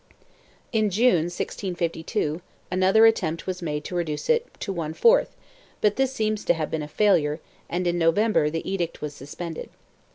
In June, 1652, another attempt was made to reduce it to one fourth, but this seems to have been a failure and in November the edict was suspended.